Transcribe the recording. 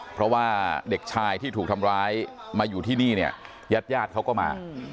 เพราะว่าเด็กชายที่ถูกทำร้ายมาอยู่ที่นี่เนี่ยญาติญาติเขาก็มา